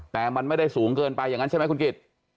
แต่มันไม่ได้สูงเกินไปอย่างนั้นใช่ไหมคุณกิจ